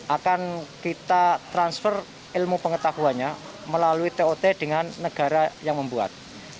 akan kita transfer ilmu pengetahuannya melalui tot dengan negara yang membuat